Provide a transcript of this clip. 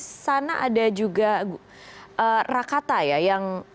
bukankah di sana ada juga rakata ya yang